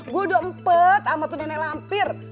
gue udah empet ama tuh nenek lampir